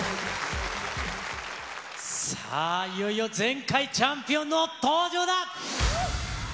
さあ、いよいよ前回チャンピオンの登場だ。